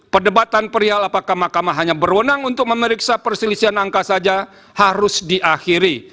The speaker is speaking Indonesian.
perdebatan perial apakah mahkamah hanya berwenang untuk memeriksa perselisihan angka saja harus diakhiri